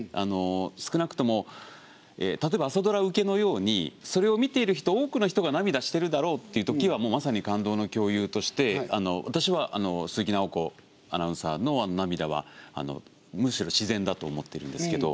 少なくとも例えば朝ドラ受けのようにそれを見ている人多くの人が涙してるだろうっていうときはもうまさに感動の共有として私は鈴木奈穂子アナウンサーのあの涙はむしろ自然だと思ってるんですけど。